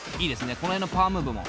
この辺のパワームーブも。